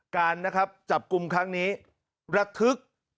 การนะครับจับกลุ่มครั้งนี้ระทึก